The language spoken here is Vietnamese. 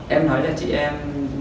em nói là chị em